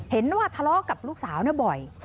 เห็นว่าทะเลาะกับลูกสาวบ่อย